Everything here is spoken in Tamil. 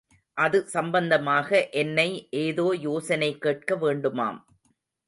அது சம்பந்தமாக என்னை ஏதோ யோசனை கேட்க வேண்டுமாம்.